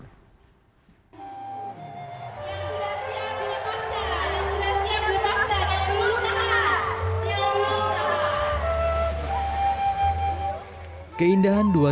yang sudah siap di lepasan yang sudah siap di lepasan yang belum takat yang belum takat